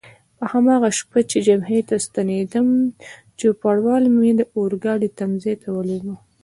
په هماغه شپه چې جبهې ته ستنېدم، چوپړوال مې د اورګاډي تمځای ته ولېږه.